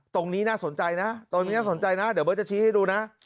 ตรงนี้น่าสนใจนะตรงนี้น่าสนใจนะเดี๋ยวเบิร์ตจะชี้ให้ดูนะ